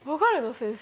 先生。